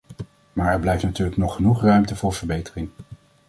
Maar er blijft natuurlijk nog genoeg ruimte voor verbetering.